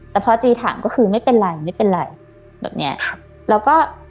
แต่พอจีถามก็คือไม่เป็นไรไม่เป็นไรแบบเนี้ยครับแล้วก็